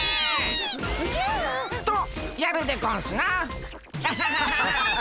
おじゃ！とやるでゴンスな。